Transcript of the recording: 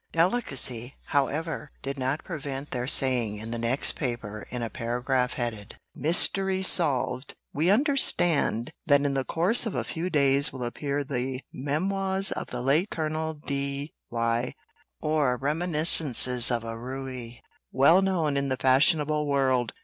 Delicacy, however, did not prevent their saying in the next paper in a paragraph headed, "MYSTERY SOLVED," "We understand that in the course of a few days will appear the 'Memoirs of the late Colonel D y; or, Reminiscences of a Rouè, well known in the Fashionable World.